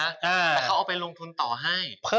แต่เขาเอาไปลงทุนต่อให้